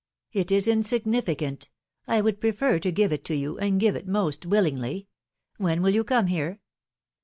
^^ It is insignificant ; I would prefer to give it to you, and give it most willingly. When wdll you come here?